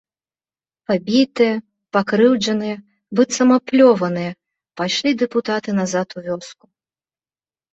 Пабітыя, пакрыўджаныя, быццам аплёваныя, пайшлі дэпутаты назад у вёску.